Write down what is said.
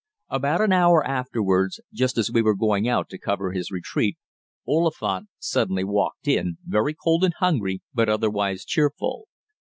About an hour afterwards, just as we were going out to cover his retreat, Oliphant suddenly walked in, very cold and hungry but otherwise cheerful.